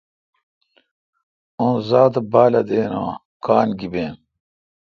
اوں زاتہ بالہ دین اوںکان گیبیں۔۔